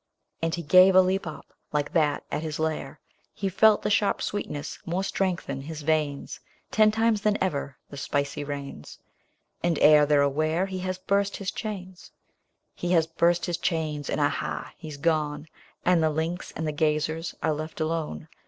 And he gave a leap up, like that at his lair; He felt the sharp sweetness more strengthen his' veins. Ten times than ever the spicy rains. And ere they're aware, he has burst his chains : He has burst his chains, and ah, ha ! he's gone, And the links and the gazers are left alone.